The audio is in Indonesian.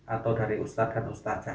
atau dari ustad dan ustadzah